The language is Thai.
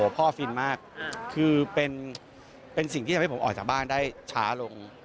ฟินมากคือเป็นสิ่งที่ทำให้ผมออกจากบ้านได้ช้าลง